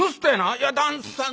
「いや旦さん